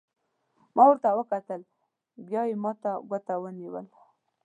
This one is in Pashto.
ما ته وکتل، بیا یې ما ته ګوته ونیول.